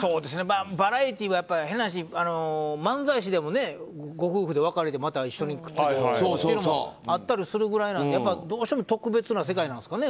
バラエティーは変な話漫才師でもご夫婦で別れてまたっていうのもあったりするぐらいなのでどうしても特別な世界なんですかね